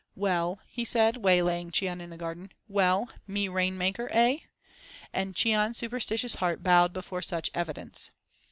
"Well?" he said, waylaying Cheon in the garden, "Well, me rainmaker? Eh?" and Cheon's superstitious heart bowed down before such evidence.